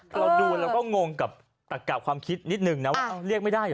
เราดูแล้วก็งงกับตักกะความคิดนิดนึงนะว่าเรียกไม่ได้เหรอ